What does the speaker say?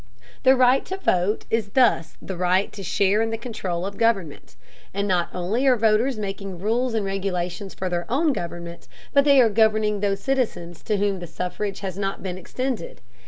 The right to vote is thus the right to share in the control of government. And not only are voters making rules and regulations for their own government, but they are governing those citizens to whom the suffrage has not been extended.